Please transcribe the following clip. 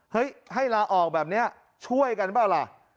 ให้ลาออกแบบนี้ช่วยกันเปล่าล่ะ